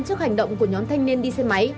trước hành động của nhóm thanh niên đi xe máy